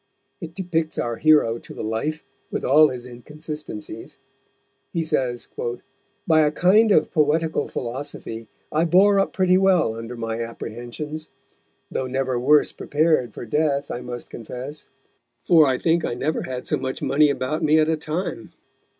It depicts our hero to the life, with all his inconsistencies. He says: "By a kind of Poetical Philosophy I bore up pretty well under my Apprehensions; though never worse prepared for Death, I must confess, for I think I never had so much Money about me at a time.